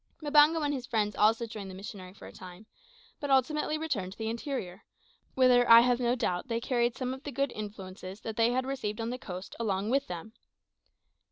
Mbango and his friends also joined the missionary for a time, but ultimately returned to the interior, whither I have no doubt they carried some of the good influences that they had received on the coast along with them.